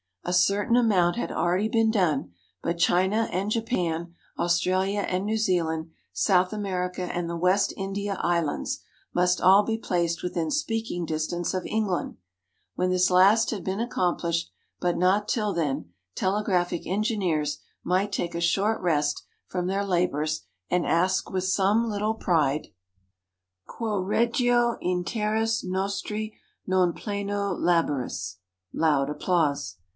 A certain amount had already been done, but China and Japan, Australia and New Zealand, South America and the West India Islands, must all be placed within speaking distance of England. When this last has been accomplished, but not till then, telegraphic engineers might take a short rest from their labors and ask with some little pride: Quoe regio in terris nostri non plena laboris? (loud applause).